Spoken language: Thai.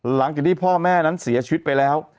หลังจากที่พ่อแม่นั้นเสียชีวิตไปแล้ว